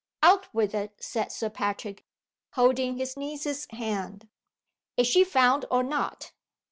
"Out with it!" said Sir Patrick, holding his niece's hand. "Is she found or not?"